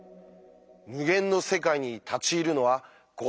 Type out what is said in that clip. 無限の世界に立ち入るのはご法度。